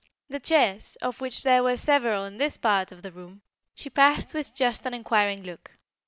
The chairs, of which there were several in this part of the room, she passed with just an inquiring look.